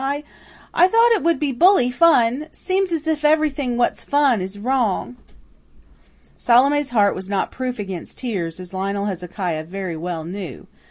"I I thought it would be bully fun. Seems's if everything what's fun 's wrong." Salome's heart was not proof against tears, as Lionel Hezekiah very well knew.